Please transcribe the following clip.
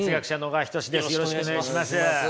よろしくお願いします。